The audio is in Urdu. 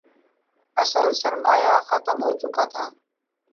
اصل سرمایہ ختم ہو چکا تھا